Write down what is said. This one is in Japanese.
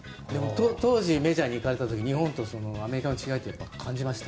当時メジャーに行かれた時日本とアメリカの違いって感じました？